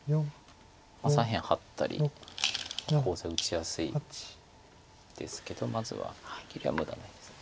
左辺ハッたりコウ材打ちやすいですけどまずは切りは無駄ないです。